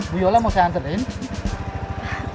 bu yola mau saya anterin